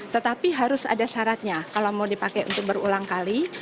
tetapi harus ada syaratnya kalau mau dipakai untuk berulang kali